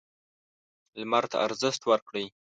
لمر ته ارزښت ورکړئ.